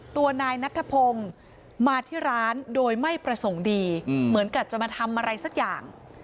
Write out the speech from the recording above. ตัวนายนัทธพงศ์มาที่ร้านโดยไม่ประสงค์ดีเหมือนกับจะมาทำอะไรสักอย่าง